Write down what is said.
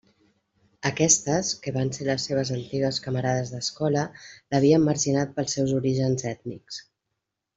Aquestes, que van ser les seves antigues camarades d'escola, l'havien marginat pels seus orígens ètnics.